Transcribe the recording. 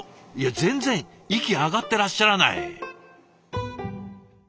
全然息上がってらっしゃらない。